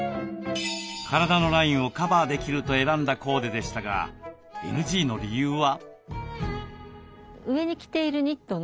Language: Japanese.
体のラインをカバーできると選んだコーデでしたがＮＧの理由は？